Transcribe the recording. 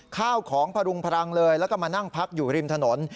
ข้าวของพรุงพลังเลยแล้วก็มานั่งพักอยู่ริมถนน